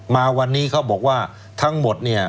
มาวันนี้เขาบอกว่าทั้งหมดเนี่ย